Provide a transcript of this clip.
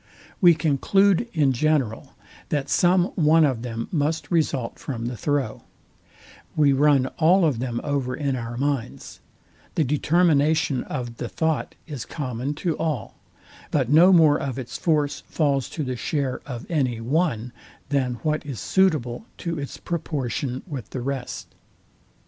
We conclude in general, that some one of them must result from the throw: We run all of them over in our minds: The determination of the thought is common to all; but no more of its force falls to the share of any one, than what is suitable to its proportion with the rest.